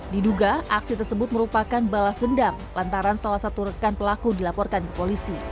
diduga aksi tersebut merupakan balas dendam lantaran salah satu rekan pelaku dilaporkan ke polisi